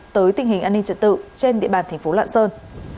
tới tình hình an ninh trật tự trên địa bàn tp lạng sơn